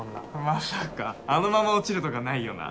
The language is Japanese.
まさかあのまま落ちるとかないよな。